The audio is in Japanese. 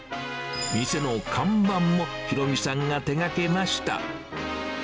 店の看板も、裕美さんが手がけました。